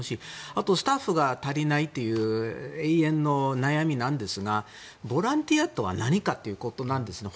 あとスタッフが足りないという永遠の悩みですがボランティアとは何かということなんですね。